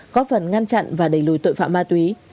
góp phần ngăn chặn và đẩy lùi tội phạm ma túy